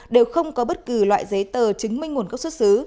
đều không có bất kỳ loại giấy tờ chứng minh nguồn gốc xuất xứ